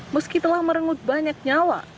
meski telah merenggut banyak nyawa